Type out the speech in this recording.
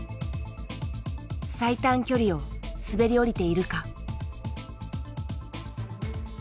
最短距離を滑り降りているか。